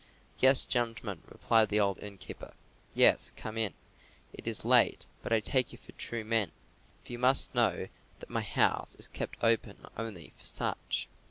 "Yes, gentlemen," replied the old innkeeper. "Yes, come in. It is late, but I take you for true men, for you must know that my house is kept open only for such."